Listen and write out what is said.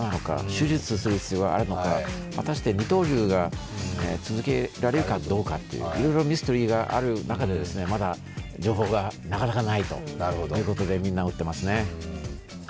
手術する必要はあるのか果たして二刀流が続けられるかどうか、いろいろミステリーがある中でまだ情報がなかなかないということでみんな追ってますね。